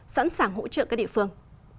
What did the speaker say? sẵn sàng hỗ trợ các địa phương